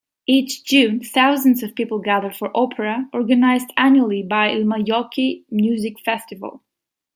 Each June, thousands of people gather for opera, organized annually by Ilmajoki Music Festival.